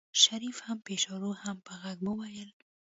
شريف هم په اشارو هم په غږ وويل.